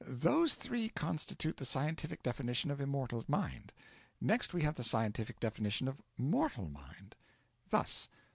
Those three constitute the Scientific Definition of Immortal Mind. Next, we have the Scientific Definition of Mortal Mind. Thus.